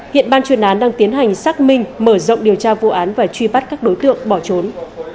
hiện ban chuyên án đang tiến hành xác minh mở rộng điều tra vụ án và truy bắt các đối tượng bỏ trốn